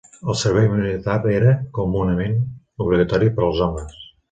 El servei militar era, comunament, obligatori per als homes.